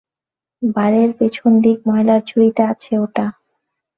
বারের পেছনদিকে, ময়লার ঝুড়িতে আছে ওটা।